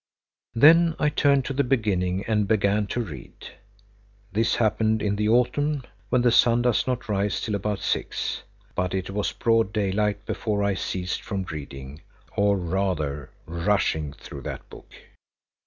Then I turned to the beginning and began to read. This happened in the autumn when the sun does not rise till about six, but it was broad daylight before I ceased from reading, or rather rushing through that book.